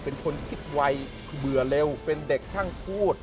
เป็นคนคิดไวเบื่อเร็วเป็นเด็กช่างพูด